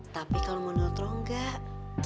tapi kalo mau neutro enggak